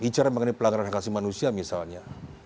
bicara mengenai pelanggaran kekasih manusia misalnya